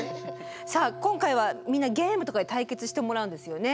さあ今回はみんなゲームとかで対決してもらうんですよね？